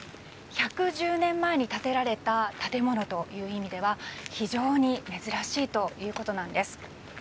１１０年前に建てられた建物という意味では非常に珍しいということなんです。